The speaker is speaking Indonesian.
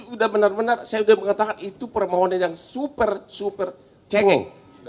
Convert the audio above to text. sudah benar benar saya sudah mengatakan itu permohonan yang super super cengeng